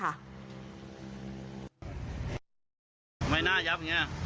ทำไมหน้ายับอย่างนี้